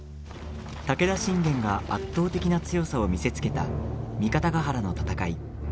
武田信玄が圧倒的な強さを見せつけた三方ヶ原の戦い。